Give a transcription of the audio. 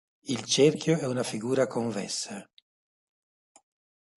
Il cerchio è una figura convessa.